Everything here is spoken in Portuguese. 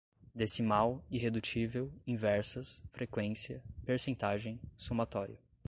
decimal, irredutível, inversas, frequência, percentagem, somatório